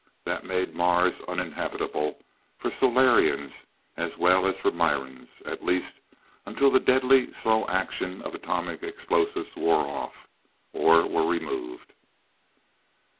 They made Mars uninhabitable for Solarians as well as for Mirans, at least until the deadly slow action atomic explosives wore off, or were removed.